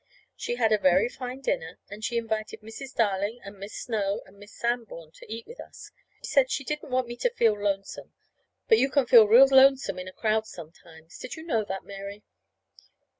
She had a very fine dinner, and she invited Mrs. Darling and Miss Snow and Miss Sanborn to eat it with us. She said she didn't want me to feel lonesome. But you can feel real lonesome in a crowd sometimes. Did you know that, Mary?